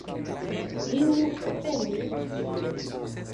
Iu ofendis lin.